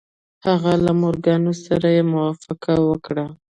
هغه له مورګان سره يې موافقه وکړه.